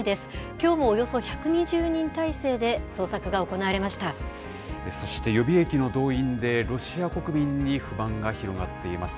きょうも、およそ１２０人態勢でそして、予備役の動員でロシア国民に不満が広がっています。